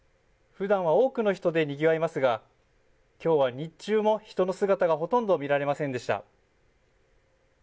ふだんは多くの人でにぎわいますがきょうは日中も人の姿がほとんど見られませんでした。